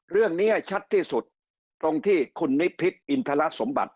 เรื่องนี้ชัดที่สุดตรงที่คุณนิพิษอินทรสมบัติ